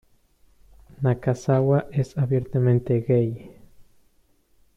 Nakazawa es abiertamente gay.